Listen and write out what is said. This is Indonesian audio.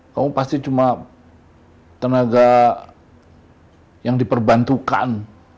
kamu pasti cuma tenaga yang diperbantukan